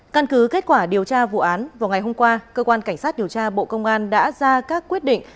căn cứ kết quả điều tra vụ án vào ngày hôm qua cơ quan cảnh sát điều tra bộ công an đã ra các quyết định